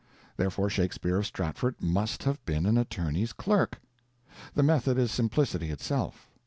Therefore, Shakespeare of Stratford must have been an attorney's clerk! The method is simplicity itself.